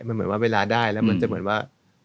มันเหมือนว่าเวลาได้แล้วมันจะเหมือนว่า